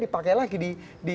dipakai lagi di